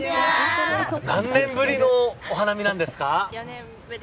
何年ぶりのお花見なんですか？